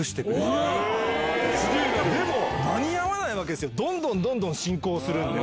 でも間に合わないわけですよどんどんどんどん進行するんで。